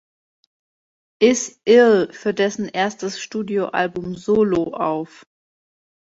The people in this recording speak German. Is Ill" für dessen erstes Studioalbum "Solo" auf.